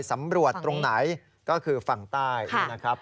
สำรวจตรงไหนก็คือฝั่งใต้นะครับ